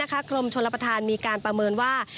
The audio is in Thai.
กรมชลประธานมีการประเมินว่า